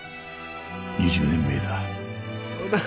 ２０年前だ。